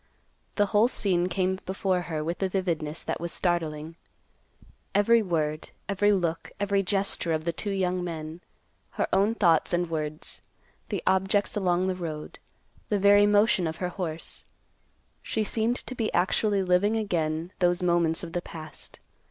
The whole scene came before her with a vividness that was startling; every word, every look, every gesture of the two young men, her own thoughts and words, the objects along the road, the very motion of her horse; she seemed to be actually living again those moments of the past.